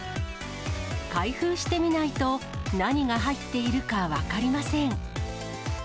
開封してみないと何が入っているか分かりません。